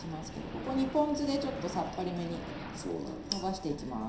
ここにポン酢でちょっとさっぱりめにのばしていきます。